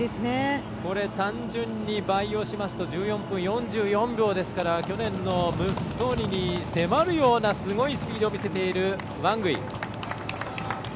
単純に倍をしますと１４分４４秒ですから去年のムッソーニに迫るような、すごいスピードを見せているワングイ。